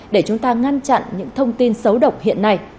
để chúng ta ngăn chặn những thông tin xấu độc hiện nay